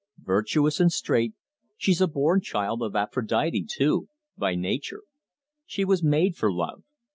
Virtuous and straight, she's a born child of Aphrodite too by nature. She was made for love.